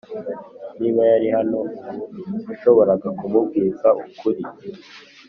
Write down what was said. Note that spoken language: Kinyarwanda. niba yari hano ubu, nashoboraga kumubwiza ukuri